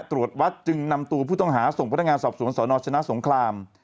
ตรวจวัดจึงนำตัวผู้ต้องหาส่งพนักงาน